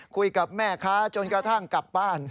คุยกับแม่ค้าจนกระทั่งกลับบ้าน